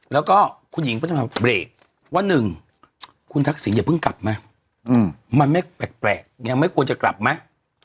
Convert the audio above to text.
แล้วก็คุณหญิงพัฒนาเบรกว่า๑คุณทักษิณอย่าเพิ่งกลับไหมมันไม่แปลกยังไม่ควรจะกลับไหม